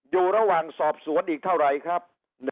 อยู่ระวังสอบสวนอีกเท่าไรครับ๑๖๒๔๐